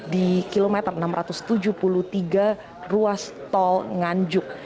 di kilometer enam ratus tujuh puluh tiga ruas tol nganjuk